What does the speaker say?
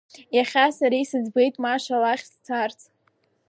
Иахьа сара исыӡбеит Маша лахь сцарц.